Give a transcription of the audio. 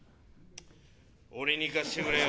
俺にいかしてくれよ。